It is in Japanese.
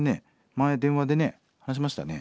前電話でね話しましたね。